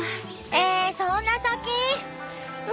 ええそんな先？